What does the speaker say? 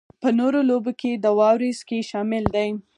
په نورو لوبو کې د واورې سکی شامل دی